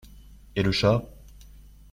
Et le chat ?